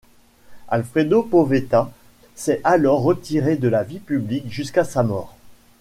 Alfredo Poveda s'est alors retiré de la vie publique jusqu'à sa mort.